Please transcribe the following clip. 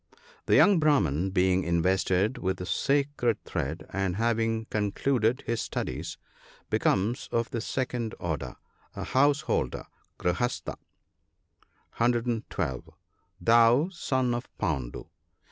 — The young Brahman, being invested with the sacred thread, and having concluded his studies, becomes of the second order, — a householder — "grihastha." (112.) Thou son of Pandu.